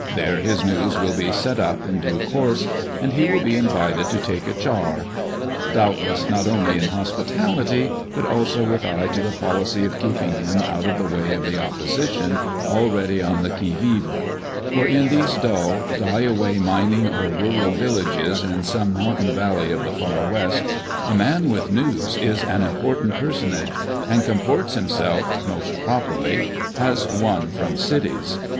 There his news will be " set up" in due course, and he will be invited to "take a char," doubtless not only in hospitality, but also with eye to the policy of keeping him out of the way of the " opposition," already on the qui vive ; for in these dull, die away mining or rural villages in some mountain valley of the Far West, a man with news is an important per sonage, and comports himself (most properly) as one from cities.